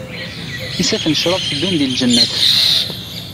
Isaffen n ccrab teddun deg lǧennet.